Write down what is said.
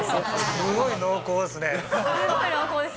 すごい濃厚ですよ。